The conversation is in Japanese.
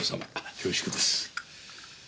恐縮です。